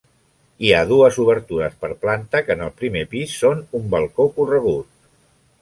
Hi ha dues obertures per planta, que en el primer pis són un balcó corregut.